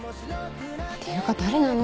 っていうか誰なの？